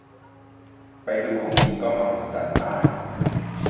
ไปดูของจริงก็มหัศจรรย์มาก